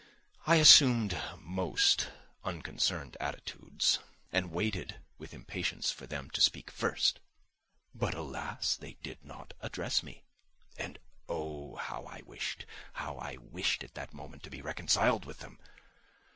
I assumed most unconcerned attitudes and waited with impatience for them to speak first. But alas, they did not address me! And oh, how I wished, how I wished at that moment to be reconciled to them!